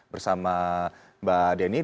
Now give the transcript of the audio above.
bersama mbak deni dari cnn indonesia